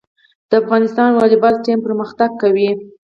د افغانستان والیبال ټیم پرمختګ کوي